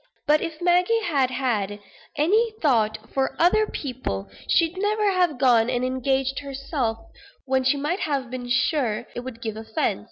But if Maggie had had any thought for other people, she'd never have gone and engaged herself, when she might have been sure it would give offence.